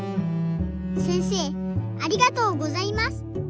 せんせいありがとうございます。